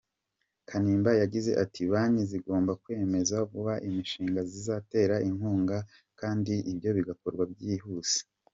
Kanimba yagize ati : “Banki zigomba kwemeza vuba imishinga zizatera inkunga kandi ibyo bigakorwa byihuse”.